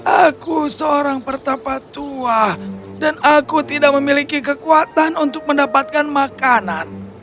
aku seorang pertapa tua dan aku tidak memiliki kekuatan untuk mendapatkan makanan